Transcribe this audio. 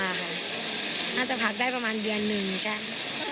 น่าจะพักได้ประมาณเดือนหนึ่งใช่